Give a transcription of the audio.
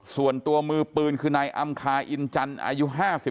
ส่วนตัวมือปืนคือนายอำคาอินจันทร์อายุ๕๓